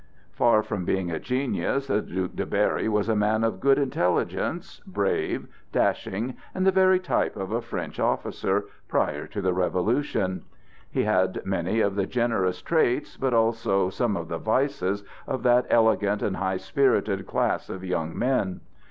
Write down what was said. Far from being a genius, the Duc de Berry was a man of good intelligence, brave, dashing, and the very type of a French officer, prior to the Revolution. He had many of the generous traits, but also some of the vices of that elegant and high spirited class of young men.